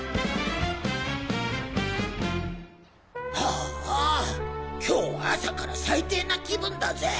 ああ今日は朝から最低な気分だぜ。